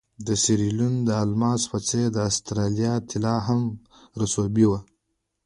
د سیریلیون د الماسو په څېر د اسټرالیا طلا هم رسوبي وه.